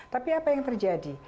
tapi apa yang terjadi